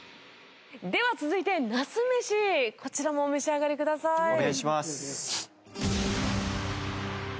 では続いて那須メシこちらもお召し上がりください。